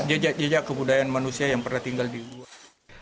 jejak jejak kebudayaan manusia yang pernah tinggal di wuhan